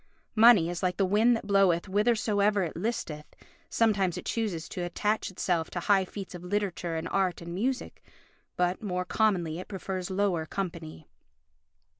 Money is like the wind that bloweth whithersoever it listeth, sometimes it chooses to attach itself to high feats of literature and art and music, but more commonly it prefers lower company